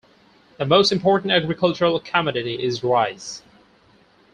The most important agricultural commodity is rice.